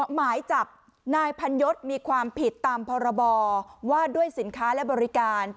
หมายจับนายพันยศมีความผิดตามพรบว่าด้วยสินค้าและบริการ